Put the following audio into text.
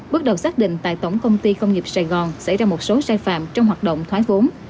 bước đầu xác định tại tổng công ty công nghiệp sài gòn xảy ra một số sai phạm trong hoạt động thoái vốn